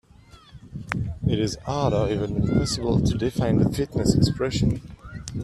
It is hard or even impossible to define the fitness expression.